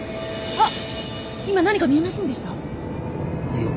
あっ！